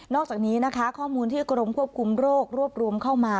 อกจากนี้นะคะข้อมูลที่กรมควบคุมโรครวบรวมเข้ามา